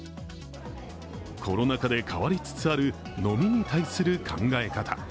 コロナ禍で変わりつつある飲みに対する考え方。